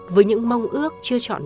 với những mong ước của bà nga